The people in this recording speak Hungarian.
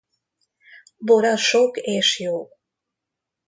Bora sok és jó.